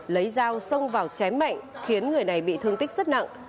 lấy dao xông vào chém mạnh khiến người này bị thương tích rất nặng